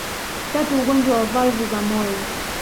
Tatu magonjwa ya valvu za moyo